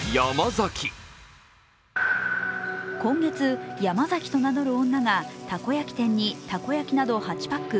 今月ヤマザキと名乗る女がたこ焼き店にたこ焼きなど８パック